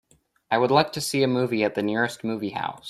I would like to see a movie at the nearest movie house.